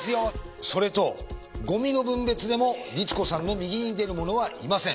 それとゴミの分別でも律子さんの右に出る者はいません。